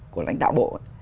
của lãnh đạo bộ